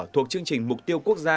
thuộc chương trình mục tiêu quốc gia